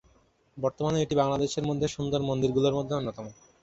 বর্তমানে এটি বাংলাদেশের মধ্যে সুন্দর মন্দির গুলোর মধ্যে অন্যতম।